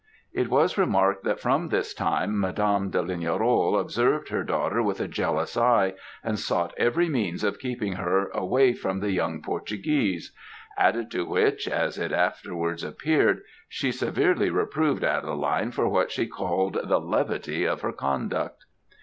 "It was remarked that, from this time, Madame de Lignerolles observed her daughter with a jealous eye, and sought every means of keeping her away from the young Portuguese; added to which, as it afterwards appeared, she severely reproved Adeline for what she called the levity of her conduct.